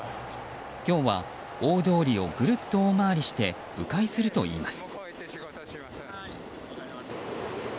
今日は大通りをぐるっと大回りして迂回するといいます。